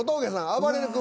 あばれる君？